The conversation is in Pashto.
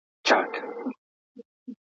په دې اور سو موږ تازه پاته کېدلای.